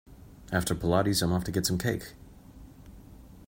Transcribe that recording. After pilates, I’m off to get some cake.